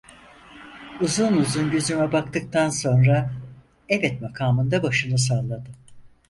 Uzun uzun yüzüme baktıktan sonra, "evet" makamında başını salladı.